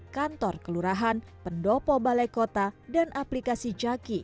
kantor kelurahan pendopo balai kota dan aplikasi jaki